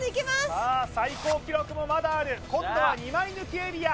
さあ最高記録もまだある今度は２枚抜きエリア